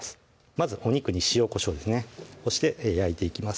まずお肉に塩・こしょうをして焼いていきます